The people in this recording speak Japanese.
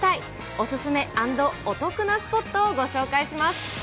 お勧め＆お得なスポットをご紹介します。